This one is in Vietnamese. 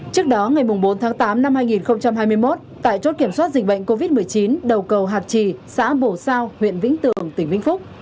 trước đó ngày bốn tháng tám năm hai nghìn hai mươi một tại chốt kiểm soát dịch bệnh covid một mươi chín đầu cầu hạt trì xã bổ sao huyện vĩnh tường tỉnh vĩnh phúc